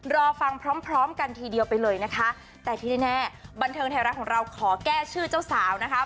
รอฟังพร้อมพร้อมกันทีเดียวไปเลยนะคะแต่ที่แน่บันเทิงไทยรัฐของเราขอแก้ชื่อเจ้าสาวนะคะ